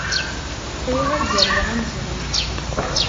Riɣ ad zerweɣ amezruy.